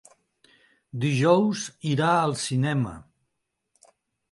Dijous irà al cinema.